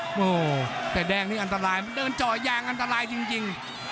โอ้โหแต่แดงนี่อันตรายมันเดินเจาะยางอันตรายจริง